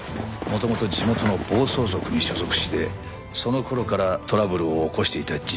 元々地元の暴走族に所属してその頃からトラブルを起こしていた事実をつかんだ。